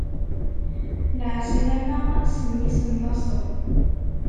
Lɛeslama s mmi-s n laṣel.